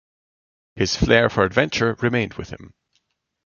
His flair for adventure remained with him.